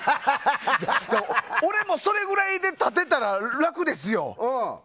俺もそれぐらいで立てたら楽ですよ！